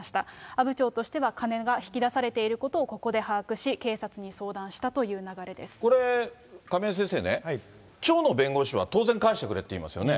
阿武町としては、金が引き出されていることをここで把握し、警察に相談したというこれ、亀井先生ね、町の弁護士は当然返してくれって言いますよね。